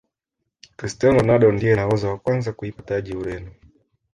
cristiano ronaldo ndiye nahodha wa kwanza kuipa taji Ureno